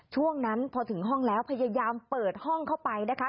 ช่วงนั้นพอถึงห้องแล้วพยายามเปิดห้องเข้าไปนะคะ